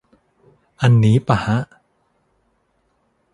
อันนี้ปะฮะ